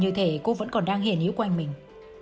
như thế cô vẫn còn đang hiện hữu quanh mình